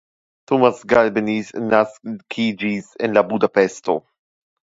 Tomasz Galbenisz naskiĝis la en Budapeŝto.